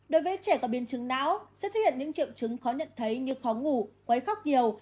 đối với trẻ có biến chứng não sẽ xuất hiện những triệu chứng khó nhận thấy như khó ngủ quáy khóc nhiều